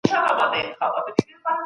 لوړه تودوخه نور خواړه هم خرابوي.